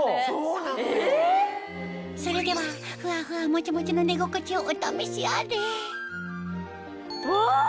それではフワフワモチモチの寝心地をお試しあれうわ！